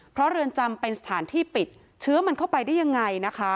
เพราะเรือนจำเป็นสถานที่ปิดเชื้อมันเข้าไปได้ยังไงนะคะ